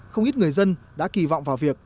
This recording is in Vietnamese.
không ít người dân đã kỳ vọng vào việc